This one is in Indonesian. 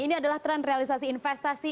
ini adalah tren realisasi investasi